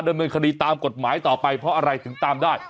ดำเนินคดีตามกฎหมายต่อไปเพราะอะไรถึงตามได้